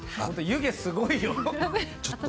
湯気すごいよ。